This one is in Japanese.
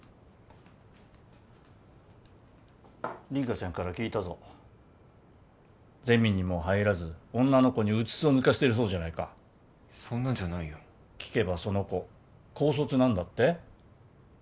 凛花ちゃんから聞いたぞゼミにも入らず女の子にうつつを抜かしてるそうじゃないかそんなんじゃないよ聞けばその子高卒なんだって？